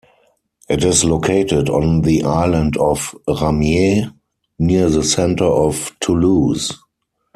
It is located on the island of Ramier near the centre of Toulouse.